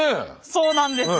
そうなんですよ。